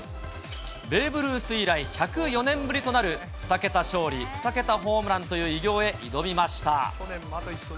ベーブ・ルース以来１０４年ぶりとなる、２桁勝利２桁ホームランという偉業へ挑みました。